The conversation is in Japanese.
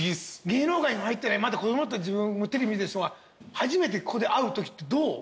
芸能界に入ってないまだ子供だった自分テレビで見てる人が初めてここで会うときってどう？